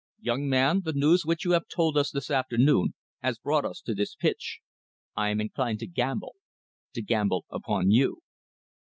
Young man, the news which you have told us this afternoon has brought us to this pitch. I am inclined to gamble to gamble upon you."